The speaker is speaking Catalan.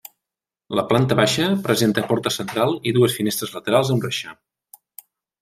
La planta baixa presenta porta central i dues finestres laterals amb reixa.